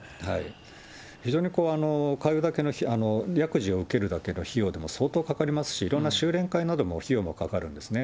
非常に通うだけのやくじを受けるだけの費用というのは相当かかりますし、いろんな修錬会などの費用もかかるんですね。